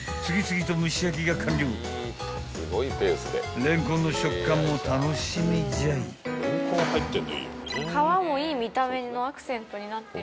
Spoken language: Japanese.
［レンコンの食感も楽しみじゃい］より。